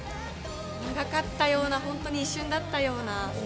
長かったような、本当、一瞬だったような。